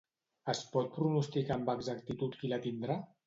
Es pot pronosticar amb exactitud qui la tindrà?